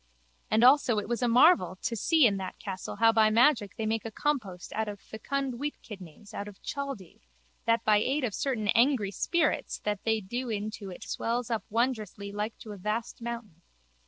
And also it was a marvel to see in that castle how by magic they make a compost out of fecund wheatkidneys out of Chaldee that by aid of certain angry spirits that they do in to it swells up wondrously like to a vast mountain.